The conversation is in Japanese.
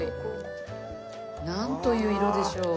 なんという色でしょう。